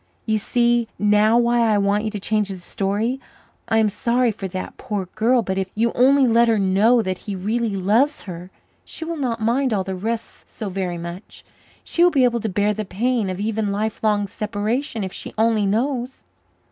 You see now why I want you to change the story. I am sorry for that poor girl, but if you only let her know that he really loves her she will not mind all the rest so very much; she will be able to bear the pain of even life long separation if she only knows."